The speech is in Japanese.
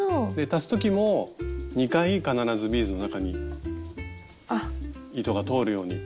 足す時も２回必ずビーズの中に糸が通るように。